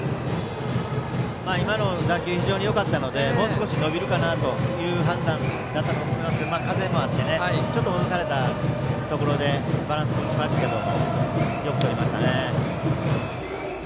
今の打球非常によかったのでもう少し伸びるかなという判断だったと思いますが風もあってちょっと戻されたところでバランスを崩しましたけどよくとりました。